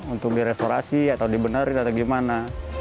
untuk di restorasi atau di benerin atau gimana